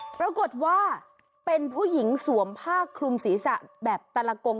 ปรากฏว่าเป็นผู้หญิงสวมผ้าคลุมศีรษะแบบแต่ละกง